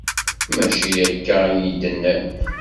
Mačči akka i iyi-d-nnan.